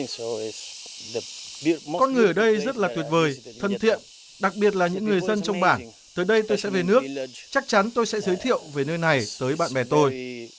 con người ở đây rất là tuyệt vời thân thiện đặc biệt là những người dân trong bản tới đây tôi sẽ về nước chắc chắn tôi sẽ giới thiệu về nơi này tới bạn bè tôi